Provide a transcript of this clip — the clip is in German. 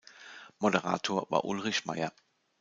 Moderator war Ulrich Meyer.